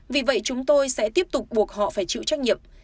vì vậy chúng tôi sẽ tiếp tục buộc họ phải chịu trách nhiệm